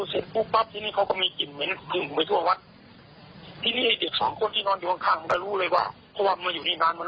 แล้วก็ความคิดนี้เป็นคำอย่างนั้นเฮ้ยสิ่งที่ว่าสิ่งที่ฟังดีฟังดีฟังที่ไม่ฟังส่วนหน้าฝั่ง